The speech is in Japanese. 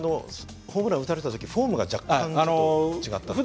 ホームラン打たれた時フォームが若干違ったって事？